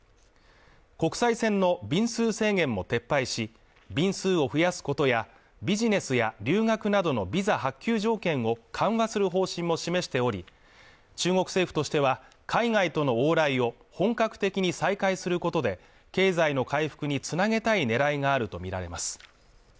国際線の便数制限も撤廃し便数を増やすことやビジネスや留学などのビザ発給条件を緩和する方針も示しており中国政府としては海外との往来を本格的に再開することで経済の回復につなげたい狙いがあると見られます